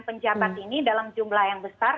penjabat ini dalam jumlah yang besar